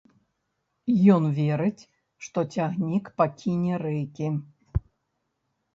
Ён верыць, што цягнік пакіне рэйкі.